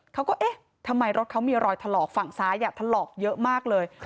เขาก็เอ๊ะทำไมรถเขามีรอยถลอกฝั่งซ้ายถลอกเยอะมากเลย